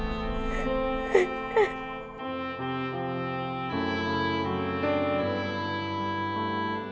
lalu dimarahin sama ibu